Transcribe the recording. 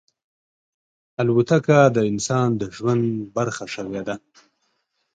الوتکه د انسان د ژوند برخه شوې ده.